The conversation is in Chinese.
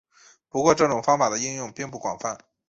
不过这种方法的应用并不广泛。